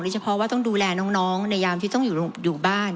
เฉพาะว่าต้องดูแลน้องในยามที่ต้องอยู่บ้าน